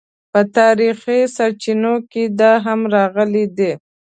په تاریخي سرچینو کې دا هم راغلي دي.